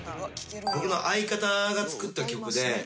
僕の相方が作った曲で。